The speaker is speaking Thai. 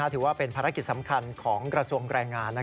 ถือว่าเป็นภารกิจสำคัญของกระทรวงแรงงาน